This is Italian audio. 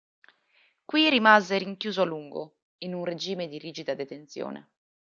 Qui rimase rinchiuso a lungo in un regime di rigida detenzione.